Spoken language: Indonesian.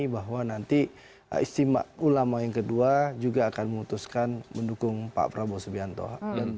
bahwa nanti istimewa ulama yang kedua juga akan memutuskan mendukung pak prabowo subianto